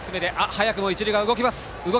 早くも一塁側、動きます。